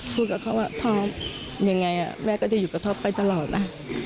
พูดกับเขาว่าท็อปยังไงแม่ก็จะอยู่กับท็อปไปตลอดนะ